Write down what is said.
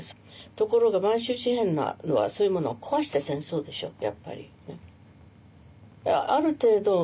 ところが満州事変はそういうものを壊した戦争でしょうやっぱり。